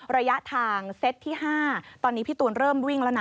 ระยะทางเซตที่๕ตอนนี้พี่ตูนเริ่มวิ่งแล้วนะ